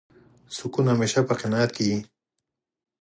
سکون همېشه په قناعت کې وي.